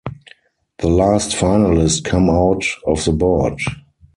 The last finalist come out of the board.